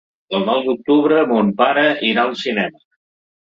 El nou d'octubre mon pare irà al cinema.